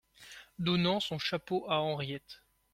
Donnant son chapeau à Henriette.